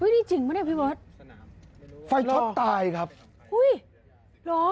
นี่จริงปะเนี่ยพี่บอล